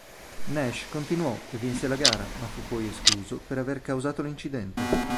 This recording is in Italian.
Nash continuò e vinse la gara, ma fu poi escluso per aver causato l'incidente.